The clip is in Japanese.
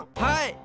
はい！